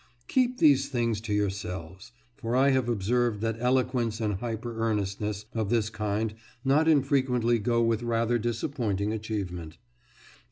Keep these things to yourselves, for I have observed that eloquence and hyper earnestness of this kind not infrequently go with rather disappointing achievement.